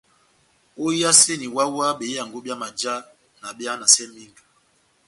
Óhiyaseni wáhá-wáhá behiyango byá majá na behanasɛ mínga.